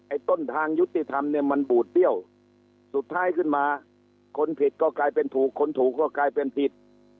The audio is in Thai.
ต้นทางยุติธรรมเนี่ยมันบูดเบี้ยวสุดท้ายขึ้นมาคนผิดก็กลายเป็นถูกคนถูกก็กลายเป็นผิด